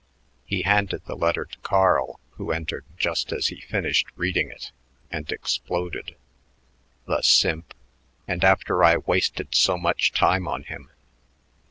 He handed the letter to Carl, who entered just as he finished reading it, and exploded: "The simp! And after I wasted so much time on him."